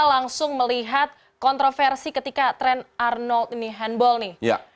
langsung melihat kontroversi ketika tren arnold ini handball nih